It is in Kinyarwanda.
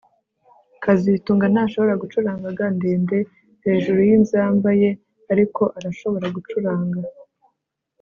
kazitunga ntashobora gucuranga G ndende hejuru yinzamba ye ariko arashobora gucuranga